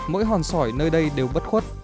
mỗi hòn sỏi nơi đây đều bất khuất